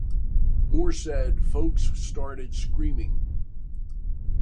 Moore said, Folks started screaming.